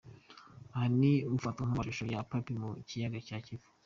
Aha ni mu ifatwa ry'amashusho ya 'Happy' mu kiyaga cya Kivu.